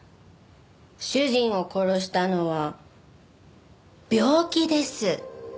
主人を殺したのは病気です。